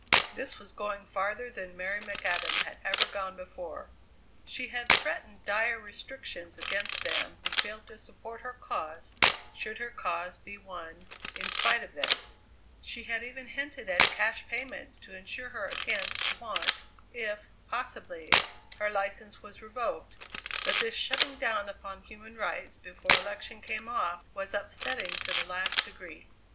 This was going farther than Mary McAdam had ever gone before. She had threatened dire restrictions against them who failed to support her cause should her cause be won in spite of them; she had even hinted at cash payments to insure her against want if, possibly, her license was revoked, but this shutting down upon human rights before election came off was upsetting to the last degree.